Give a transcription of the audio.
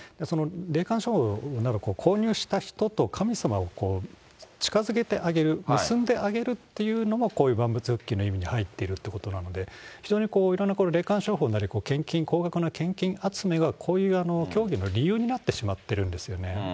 霊感商法など、購入した人と神様を近づけてあげる、結んであげるっていうのも、こういう万物復帰の意味に入っているということなので、非常にいろんな霊感商法なり、献金、高額な献金集めが、こういう教義の理由になってしまってるんですよね。